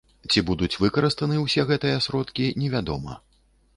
Ці будуць выкарыстаны ўсе гэтыя сродкі, невядома.